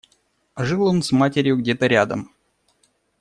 Жил он с матерью где-то рядом.